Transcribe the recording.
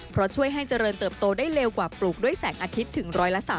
เพราะช่วยให้เจริญเติบโตได้เร็วกว่าปลูกด้วยแสงอาทิตย์ถึง๑๓๐